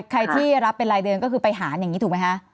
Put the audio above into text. ใครที่รับเป็นรายเดือนก็คือไปหารอย่างนี้ถูกไหมคะ